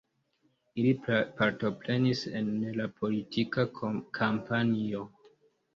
Ili partoprenis en la politika kampanjo.